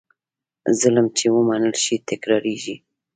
ظلم چې ومنل شي، تکرارېږي.